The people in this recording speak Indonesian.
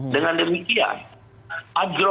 dengan demikian agro